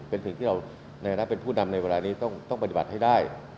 เป็นสิ่งที่เราในฐานะเป็นผู้นำในเวลานี้ต้องปฏิบัติให้ได้